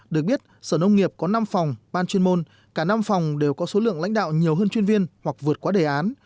được biết sở nông nghiệp có năm phòng ban chuyên môn cả năm phòng đều có số lượng lãnh đạo nhiều hơn chuyên viên hoặc vượt qua đề án